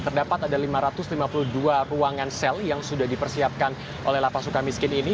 terdapat ada lima ratus lima puluh dua ruangan sel yang sudah dipersiapkan oleh lapas suka miskin ini